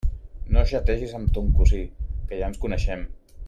No xategis amb ton cosí, que ja ens coneixem!